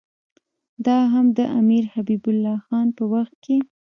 دا هم د امیر حبیب الله خان په وخت کې.